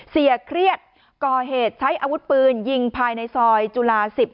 เครียดก่อเหตุใช้อาวุธปืนยิงภายในซอยจุฬา๑๐